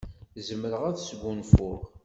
Zemreɣ ad sgunfuɣ.